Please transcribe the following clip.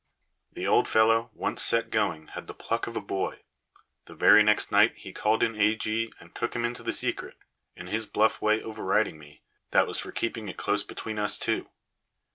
The old fellow, once set going, had the pluck of a boy. The very next night he called in A. G., and took him into the secret, in his bluff way overriding me, that was for keeping it close between us two.